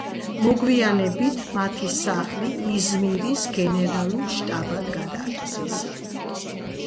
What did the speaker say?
მოგვიანებით, მათი სახლი იზმირის გენერალურ შტაბად გადააკეთეს.